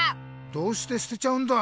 どうしてすてちゃうんだ？